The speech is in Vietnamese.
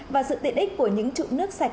và sự tiện ích của những trụ nước sạch